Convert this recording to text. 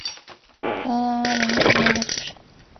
戈阿人口变化图示